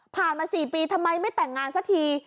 มา๔ปีทำไมไม่แต่งงานสักที